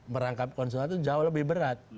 merangkap konsumen itu jauh lebih berat